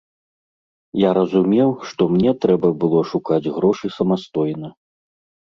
Я разумеў, што мне трэба было шукаць грошы самастойна.